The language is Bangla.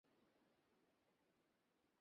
শালা জোকার, কি করছিস এসব?